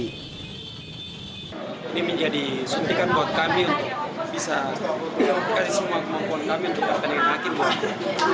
ini menjadi suntikan buat kami untuk bisa kasih semua kemampuan kami untuk bertanding hakim